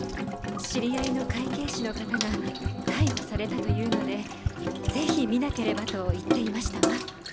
知り合いの会計士の方が逮捕されたというのでぜひ見なければと言っていましたわ。